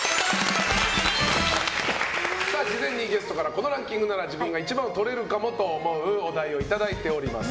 事前にゲストからこのランキングなら自分が１番をとれるかもと思うお題をいただいております。